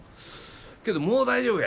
けどもう大丈夫や。